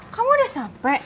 kamu udah sampe